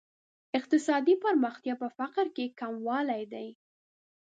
اقتصادي پرمختیا په فقر کې کموالی دی.